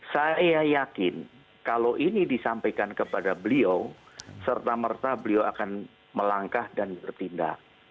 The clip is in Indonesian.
saya yakin kalau ini disampaikan kepada beliau serta merta beliau akan melangkah dan bertindak